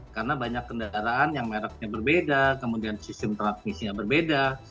karena banyak kendaraan yang mereknya berbeda kemudian sistem transmisinya berbeda